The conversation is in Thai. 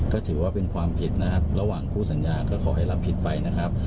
ก็ถือว่าเป็นความผิดนะครับระหว่างคู่สัญญาก็ขอให้รับผิดไปนะครับ